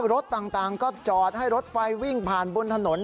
รถต่างก็จอดให้รถไฟวิ่งผ่านบนถนน